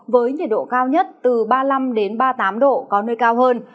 với nhiệt độ cao nhất từ ba mươi năm ba mươi tám độ có nơi cao hơn